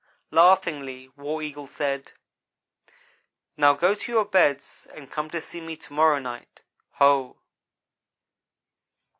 Laughingly War Eagle said: "Now go to your beds and come to see me to morrow night. Ho!"